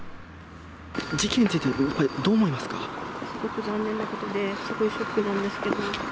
事件について、すごく残念なことで、すごいショックなんですけど。